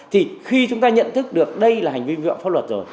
thì khi chúng ta nhận thức được đây là hành vi vi phạm pháp luật rồi